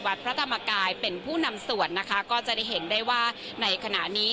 พระธรรมกายเป็นผู้นำส่วนนะคะก็จะได้เห็นได้ว่าในขณะนี้